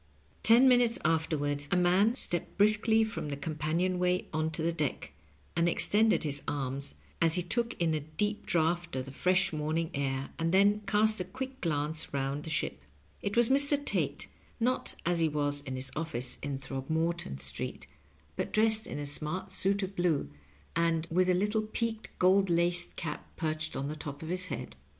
Ten minutes afterward a man stepped briskly from the companion way on to the deck, and extended his arms as he took in a deep draught of the fresh morning air, and then cast a quick glance around the ship. It was Mr. Tate, not as he was in his office in Throgmorton Digitized by VjOOQIC 198 LOVE AND UGSTNINO. Sta eet, but dressed in a smart suit of bine, and with a lit tle peaked gold laced cap perched on the top of his head.